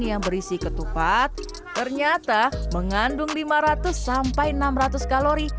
yang berisi ketupat ternyata mengandung lima ratus sampai enam ratus kalori